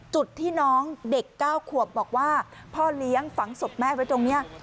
จุดที่น้องเด็ก๙ขวบบอกว่าพ่อเลี้ยงฝังศพแม่ไว้ตรงนี้